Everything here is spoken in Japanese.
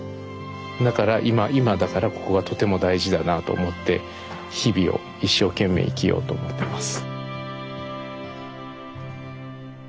だから今だからここがとても大事だなと思って日々を一生懸命生きようと思ってます。